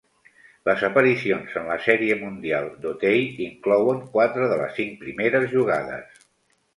Les aparicions en la Sèrie Mundial d'O'Day inclouen quatre de les cinc primeres jugades.